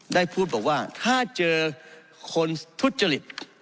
ได้พูดบอกว่าถ้าเจอคนทุจริต